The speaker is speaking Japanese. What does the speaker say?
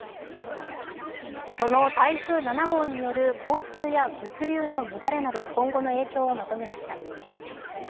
その台風７号による交通や物流の乱れなど今後の影響をまとめました。